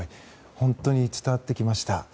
本当に伝わってきました。